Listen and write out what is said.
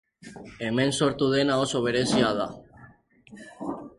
Hemen sortu dena oso berezia da.